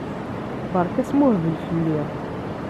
Berka asmuhbel fell-i!